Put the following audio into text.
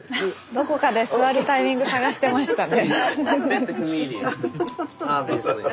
どこかで座るタイミング探してましたね。